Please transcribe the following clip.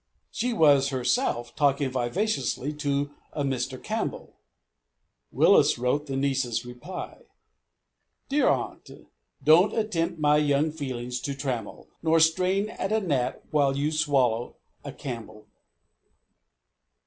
She was herself talking vivaciously to a Mr. Campbell. Willis wrote the niece's reply: "Dear aunt, don't attempt my young feelings to trammel. Nor strain at a Nat while you swallow a Campbell."